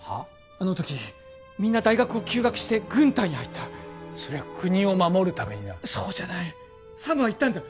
あの時みんな大学を休学して軍隊に入ったそりゃ国を守るためになそうじゃないサムは言ったんだ